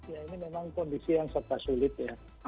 ya ini memang kondisi yang serba sulit ya